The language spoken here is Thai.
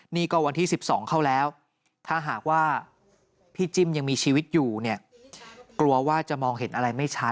นี่ก็วันที่๑๒เข้าแล้วถ้าหากว่าพี่จิ้มยังมีชีวิตอยู่เนี่ยกลัวว่าจะมองเห็นอะไรไม่ชัด